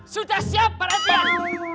sudah siap pak red pian